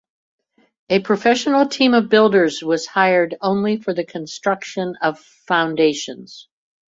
A professional team of builders was hired only for the construction of foundations.